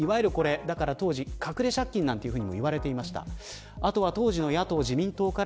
だから当時、隠れ借金などともいわれていました。